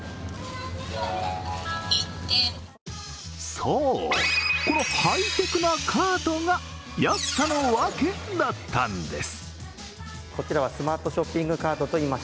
そう、このハイテクなカートが安さのわけだったんです。